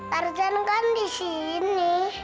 kak dea tarzan kan di sini